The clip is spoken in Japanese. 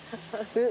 「えっ！？」。